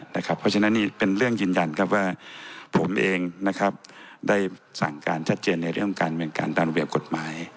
และนี่เป็นเรื่องยืนยันครับว่าผมเองนะครับได้สั่งการชัดเจนในเรื่องการบริการตามระเบียบกฎหมาย